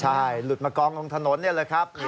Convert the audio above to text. ใช่หลุดมากองลงถนนนี่แหละครับ